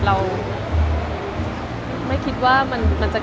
ที่ไม่ได้อ่านมานัง